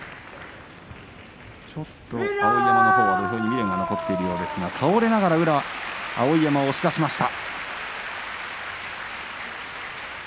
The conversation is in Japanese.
ちょっと碧山のほうは土俵に未練が残っているようですが、倒れながら宇良碧山を押し出しました。